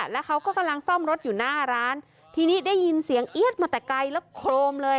แล้วเขาก็กำลังซ่อมรถอยู่หน้าร้านทีนี้ได้ยินเสียงเอี๊ยดมาแต่ไกลแล้วโครมเลย